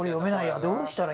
どうしたらいいんだ？